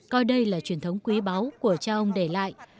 coi đây là truyền thống quý báu của cha ông để lại